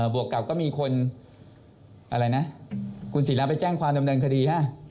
วกกับก็มีคนอะไรนะคุณศิราไปแจ้งความดำเนินคดีฮะ